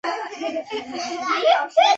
柴胡状斑膜芹是伞形科斑膜芹属的植物。